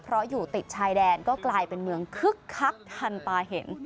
เพราะอยู่ติดชายแดนก็กลายเป็นเมืองคึกคักทันตาเห็น